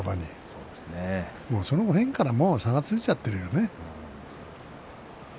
その前からもう差がついちゃってるよね。